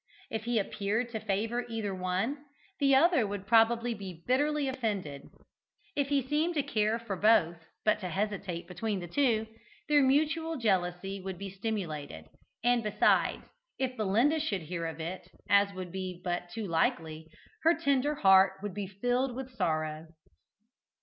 If he appeared to favour either one, the other would probably be bitterly offended; if he seemed to care for both, but to hesitate between the two, their mutual jealousy would be stimulated, and, besides, if Belinda should hear of it, as would be but too likely, her tender heart would be filled with sorrow.